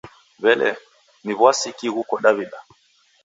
W'ele, ni w'asi ki ghuko Daw'ida?